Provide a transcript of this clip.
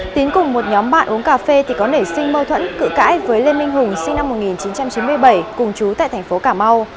tín cùng một nhóm bạn uống cà phê thì có nể sinh mâu thuẫn cự cãi với lê minh hùng sinh năm một nghìn chín trăm chín mươi bảy cùng chú tại thành phố cà mau